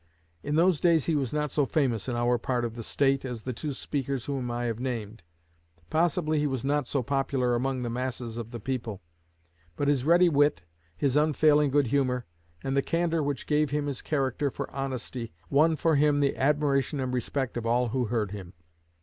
In those days he was not so famous in our part of the State as the two speakers whom I have named. Possibly he was not so popular among the masses of the people; but his ready wit, his unfailing good humor, and the candor which gave him his character for honesty, won for him the admiration and respect of all who heard him.